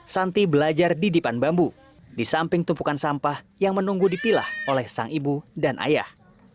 santi belajar di dipan bambu di samping tumpukan sampah yang menunggu dipilah oleh sang ibu dan ayah